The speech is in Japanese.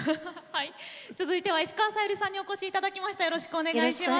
続いては石川さゆりさんにお越しいただきました。